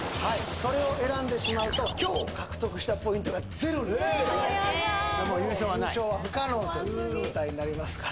はいそれを選んでしまうと今日獲得したポイントがゼロになります